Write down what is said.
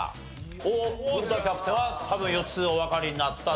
おおっ古田キャプテンは多分４つおわかりになったと。